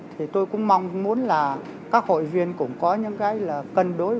thì tôi cũng mong muốn là các hội viên cũng có những cái là cân đối